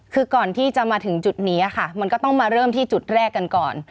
คือก่อนที่จะมาถึงจุดนี้ค่ะมันก็ต้องมาเริ่มที่จุดแรกกันก่อน